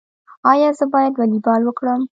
ایا زه باید والیبال وکړم؟